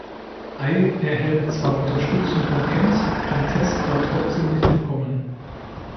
Ai erhält zwar Unterstützung von Kent, kann Tess aber trotzdem nicht entkommen.